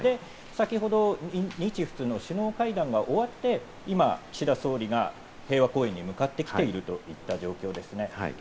先ほど日仏の首脳会談が終わって、今岸田総理が平和公園に向かってきているといった状況ですね。